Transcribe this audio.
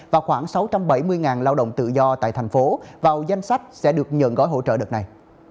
và khoảng sáu trăm bảy mươi lao động tự do tại thành phố vào danh sách sẽ được nhận gói hỗ trợ đợt này